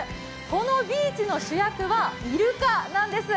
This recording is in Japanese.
このビーチの主役はイルカなんです。